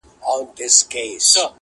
• اوري له خیبره تر کنړه شپېلۍ څه وايي -